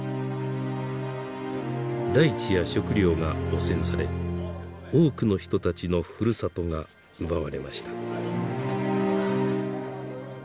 大地や食料が汚染され多くの人たちのふるさとが奪われました。